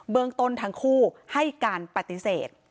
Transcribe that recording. เมืองต้นทั้งคู่ให้การปฏิเสธ